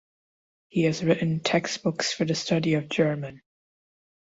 He has written textbooks for the study of German.